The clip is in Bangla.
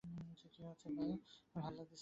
কী হচ্ছে বাল!